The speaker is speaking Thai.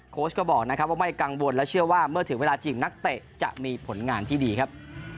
โค้ชก็บอกนะครับว่าไม่กังวลและเชื่อว่าเมื่อถึงเวลาจริงนักเตะจะมีผลงานที่ดีครับ